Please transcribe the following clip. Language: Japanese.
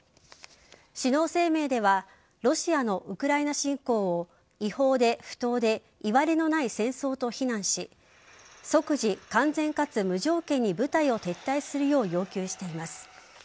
首脳声明ではロシアのウクライナ侵攻を違法で、不当でいわれのない戦争と非難し即時、完全かつ無条件に部隊を撤退するよう要求しています。